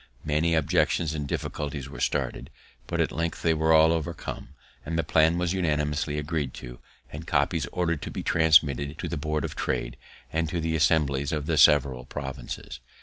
Many objections and difficulties were started, but at length they were all overcome, and the plan was unanimously agreed to, and copies ordered to be transmitted to the Board of Trade and to the assemblies of the several provinces.